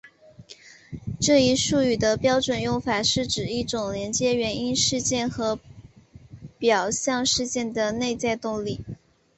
这一术语的标准用法是指一种连接原因事件和表象事件的内在动力。